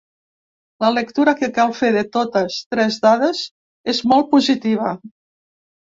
La lectura que cal fer de totes tres dades és molt positiva.